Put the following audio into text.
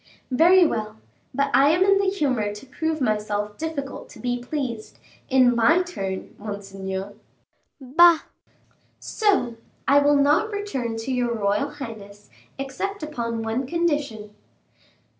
"Very well; but I am in the humor to prove myself difficult to be pleased, in my turn, monseigneur." "Bah!" "So, I will not return to your royal highness, except upon one condition."